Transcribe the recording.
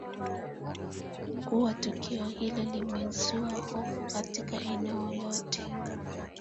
kuwa tukio hilo limezua hofu katika eneo lote